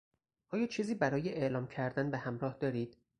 آیا چیزی برای اعلام کردن به همراه دارید؟